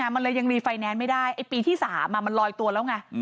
มันเลยยังรีไฟแนนซ์ไม่ได้ไอ้ปีที่๓มันลอยตัวแล้วไง